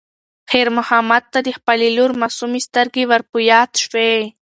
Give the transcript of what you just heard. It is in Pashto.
خیر محمد ته د خپلې لور معصومې سترګې ور په یاد شوې.